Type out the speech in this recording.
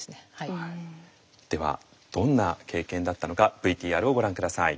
ではどんな経験だったのかＶＴＲをご覧下さい。